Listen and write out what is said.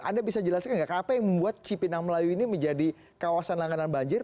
anda bisa jelaskan nggak apa yang membuat cipinang melayu ini menjadi kawasan langganan banjir